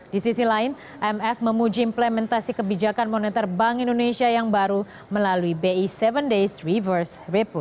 di sisi lain imf memuji implementasi kebijakan moneter bank indonesia yang baru melalui bi tujuh days reverse repo